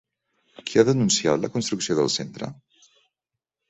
Qui ha denunciat la construcció del centre?